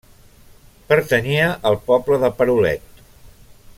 Pertanyia al poble de Perolet.